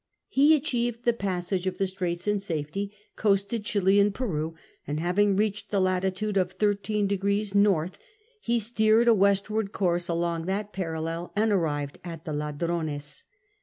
He achieved the passage of the straits in safety, coasted Chili and Peru, and having reached the latitude of 13° N. he steered a westward course along that parallel and arrived at the Ladrones.